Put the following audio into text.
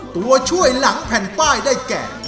ตัวช่วยหลังแผ่นป้ายได้แก่